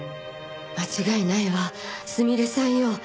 間違いないわすみれさんよ。